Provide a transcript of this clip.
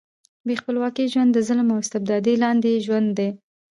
بې خپلواکۍ ژوند د ظلم او استبداد لاندې ژوند دی.